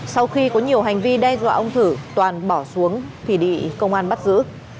sau khi có nhiều hành vi đe dọa ông thử toàn bỏ xuống thủy đị công an bắt giữ